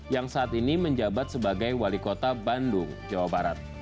yang saat ini menjabat sebagai wali kota bandung jawa barat